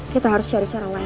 kita harus cari cara lain